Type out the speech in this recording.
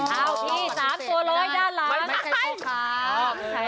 อ้าวพี่สามตัวร้อยด้านหลังใครค่ะอ๋อใคร